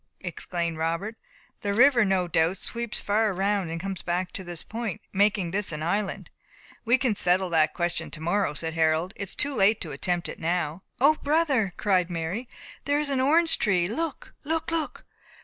exclaimed Robert. "The river, no doubt, sweeps far around, and comes back to this point, making this an island." "We can settle that question tomorrow," said Harold. "It is too late to attempt it now." "O, brother," cried Mary, "there is an orange tree look! look!